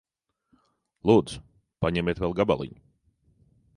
Lūdzu. Paņemiet vēl gabaliņu.